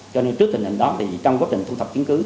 cho nên trước tình hình đó thì trong quá trình thu thập chứng cứ